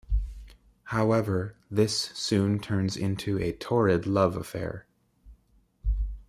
However, this soon turns into a torrid love affair.